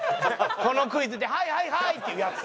このクイズで「はいはいはい！」って言うヤツ。